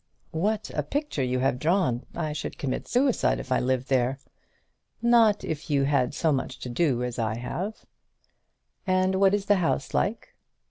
"What a picture you have drawn! I should commit suicide if I lived there." "Not if you had so much to do as I have." "And what is the house like?"